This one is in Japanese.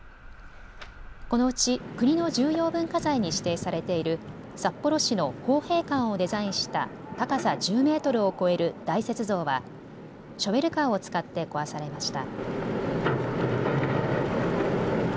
このうち国の重要文化財に指定されている札幌市の豊平館をデザインした高さ１０メートルを超える大雪像はショベルカーを使って壊されました。